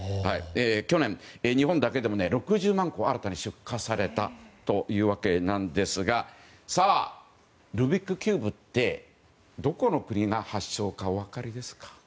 去年、日本だけでも６０万個出荷されたそうなんですがルービックキューブってどこの国が発祥かお分かりですか？